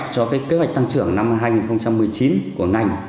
cho cái kế hoạch tăng trưởng năm hai nghìn một mươi chín của ngành